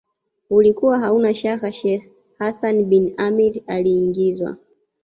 ulikuwa hauna shaka Sheikh Hassan bin Amir aliingizwa